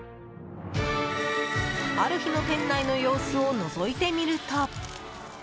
ある日の店内の様子をのぞいてみると。